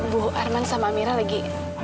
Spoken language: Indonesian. bu arman sama mira lagi